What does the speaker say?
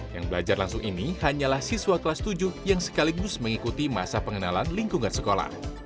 yang belajar langsung ini hanyalah siswa kelas tujuh yang sekaligus mengikuti masa pengenalan lingkungan sekolah